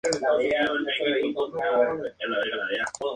Al siguiente año fue nombrado jefe del estado mayor.